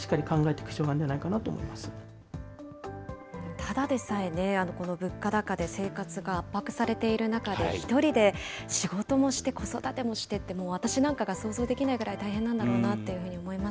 ただでさえね、この物価高で生活が圧迫されている中で、ひとりで仕事もして子育てもしてって、もう私なんかが想像できないぐらい大変なんだろうなっていうふうに思います。